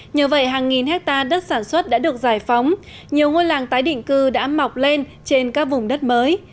nhờ vậy hàng nghìn hectare đất sản xuất đã được giải phóng nhiều ngôi làng tái định cư đã mọc lên trên các vùng đất mới